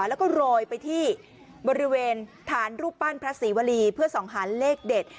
แล้วก็โรยไปที่บริเวณฐานรูปปั้นพระศรีวรีเพื่อส่องหาเลขเด็ด